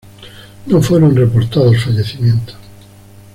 No fueron reportados fallecimientos.